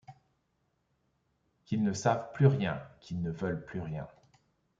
Qu’ils ne savent plus rien, qu’ils ne veulent plus rien